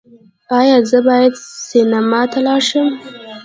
ایا زه باید سینما ته لاړ شم؟